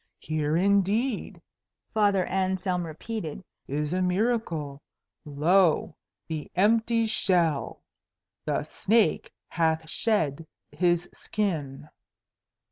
"Here indeed," Father Anselm repeated, "is a miracle. Lo, the empty shell! The snake hath shed his skin."